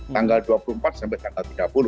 tanggal dua puluh empat sampai tanggal tiga puluh